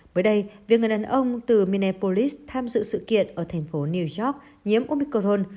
mới đây việc người đàn ông từ minipolis tham dự sự kiện ở thành phố new york nhiễm omicron